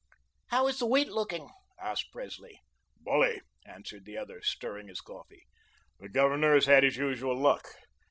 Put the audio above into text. "How is the wheat looking?" asked Presley. "Bully," answered the other, stirring his coffee. "The Governor has had his usual luck.